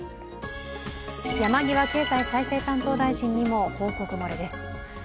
山際経済再生担当大臣にも報告漏れです。